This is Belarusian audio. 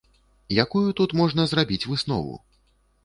Якую тут можна зрабіць выснову?